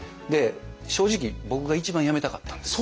正直僕が一番辞めたかったんですよ。